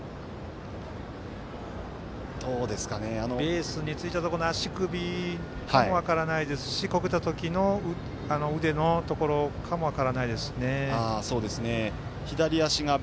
ベースについたところの足首かも分からないですしこけたところの腕のところかも分からないですし。